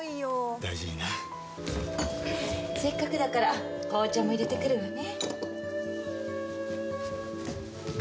「せっかくだから紅茶も入れてくるわね」